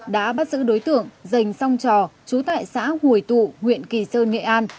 đã bắt giữ đối tượng dành song trò trú tại xã hồi tụ huyện kỳ sơn nghệ an